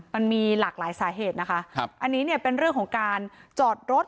มันมีหลากหลายสาเหตุนะคะครับอันนี้เนี่ยเป็นเรื่องของการจอดรถ